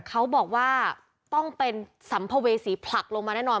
เขาบอกว่าต้องเป็นสัมภเวษีผลักลงมาแน่นอน